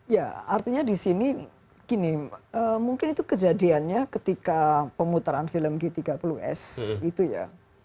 ya artinya di sini gini mungkin itu kejadiannya ketika pemutaran film g tiga puluh s itu ya